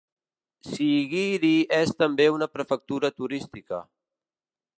Siguiri és també una prefectura turística.